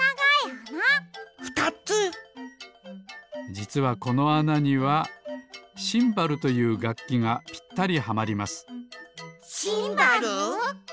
じつはこのあなには「シンバル」というがっきがぴったりはまりますシンバル？